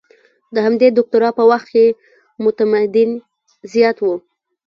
د همدې دوکتورا په وخت کې معتمدین خاص وو.